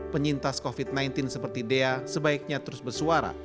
penyintas covid sembilan belas seperti dea sebaiknya terus bersuara